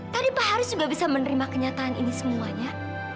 tadi pak haris juga bisa menerima kenyataan ini semuanya